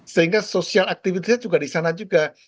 sehingga social activity nya juga di sana juga